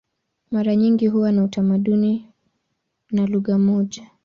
Mara nyingi huwa na utamaduni na lugha moja.